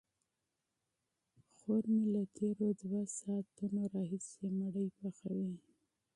خور مې له تېرو دوو ساعتونو راهیسې ډوډۍ پخوي.